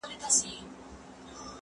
زه به اوږده موده سينه سپين کړی وم!.